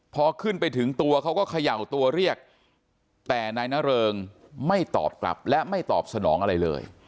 พอขึ้นไปถึงตัวเขาก็เขย่าตัวเรียกแต่นายนเริงไม่ตอบกลับและไม่ตอบสนองอะไรเลย